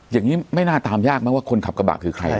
อย่างนี้ไม่น่าตามยากมั้งว่าคนขับกระบะคือใคร